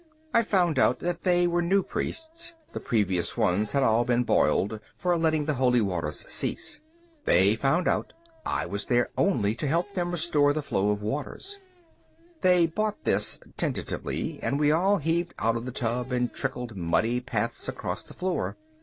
I found out that they were new priests; the previous ones had all been boiled for letting the Holy Waters cease. They found out I was there only to help them restore the flow of the waters. They bought this, tentatively, and we all heaved out of the tub and trickled muddy paths across the floor.